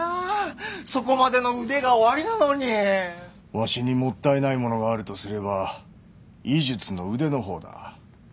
わしにもったいないものがあるとすれば医術の腕のほうだ。